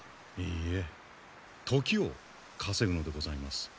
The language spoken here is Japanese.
いいえ時を稼ぐのでございます。